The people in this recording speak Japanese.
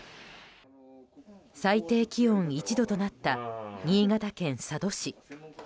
最低気温１度となった新潟県佐渡市。